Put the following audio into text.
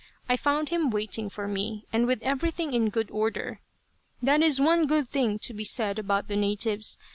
I found him waiting for me, and with everything in good order. That is one good thing to be said about the natives.